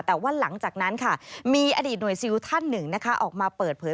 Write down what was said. แต่ว่าหลังจากนั้นค่ะมีอดีตหน่วยซิลท่านหนึ่งนะคะออกมาเปิดเผย